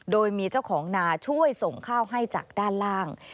โดยมีเจ้าของนาช่วยส่งข้าวให้จากด้านล่าง